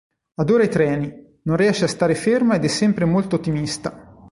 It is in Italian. Adora i treni, non riesce a stare ferma ed è sempre molto ottimista.